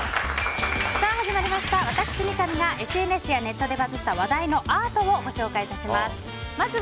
私、三上がＳＮＳやネットでバズった話題のアートをご紹介致します。